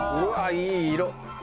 いい色！